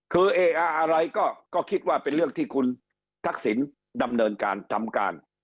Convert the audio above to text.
คือเอออะไรก็คิดว่าเป็นเรื่องที่คุณทักษิณดำเนินการทำการ